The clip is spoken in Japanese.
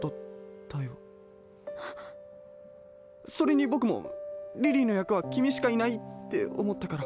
それにぼくもリリーのやくはキミしかいないっておもったから。